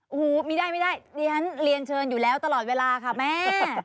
โอ้โหมีได้ไม่ได้ดิฉันเรียนเชิญอยู่แล้วตลอดเวลาค่ะแม่